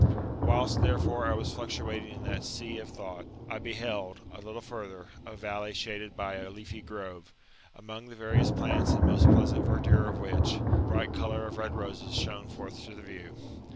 Whilst, therefore, I was fluctuating in that sea of thought, I beheld, a little further, a valley shaded by a leafy grove ; among the various plants and most pleasant verdure of which, the bright colour of red roses shone forth to the view.